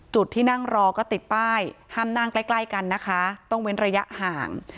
จุดที่นั่งรอก็ติดป้ายห้ามนั่งใกล้ใกล้กันนะคะต้องเว้นระยะห่าง